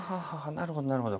なるほどなるほど。